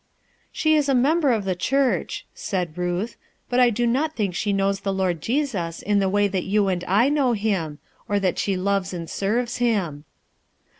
"She is a member of the church," said R utn " But I do not think she knows the Lord Jesus in the way that you and I know Him, r that she loves and serves Him."